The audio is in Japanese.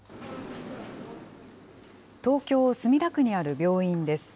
東京・墨田区にある病院です。